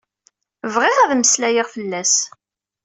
Bɣiɣ ad d-mmeslayeɣ fell-as.